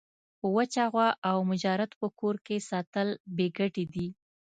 وچه غوا او مجرد په کور کي ساتل بې ګټي دي.